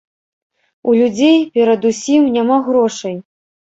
У людзей, перадусім, няма грошай!